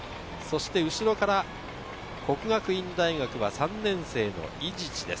後ろから國學院大學は３年生の伊地知です。